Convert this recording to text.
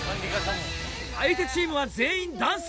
相手チームは全員男性！